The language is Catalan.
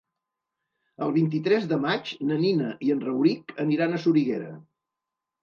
El vint-i-tres de maig na Nina i en Rauric aniran a Soriguera.